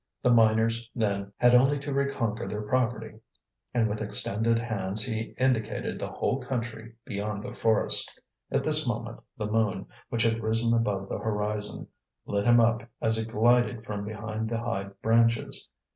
The miners, then, had only to reconquer their property; and with extended hands he indicated the whole country beyond the forest. At this moment the moon, which had risen above the horizon, lit him up as it glided from behind the high branches.